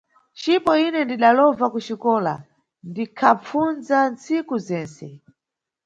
Cipo ine ndidalova kuxikola, ndikhapfundza ntsiku zentse.